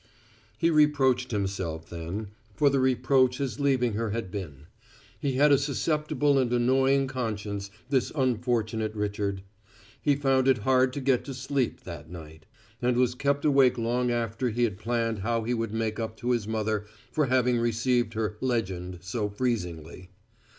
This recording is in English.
... He reproached himself, then, for the reproach his leaving her had been; he had a susceptible and annoying conscience, this unfortunate Richard. He found it hard to get to sleep, that night; and was kept awake long after he had planned how he would make up to his mother for having received her "legend" so freezingly.